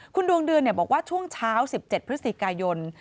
คุณดวงเดือนบอกว่าช่วงเช้า๑๗พฤศจิกายน